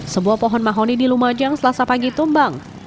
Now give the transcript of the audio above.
sebuah pohon mahoni di lumajang selasa pagi tumbang